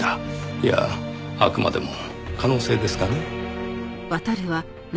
いやあくまでも可能性ですがね。